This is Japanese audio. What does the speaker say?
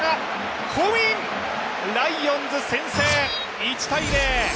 ライオンズ先制、１−０。